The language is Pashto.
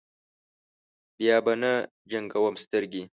بیا به نه جنګوم سترګې.